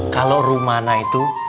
kalau rumana itu